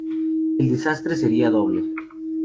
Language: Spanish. El desastre sería doble.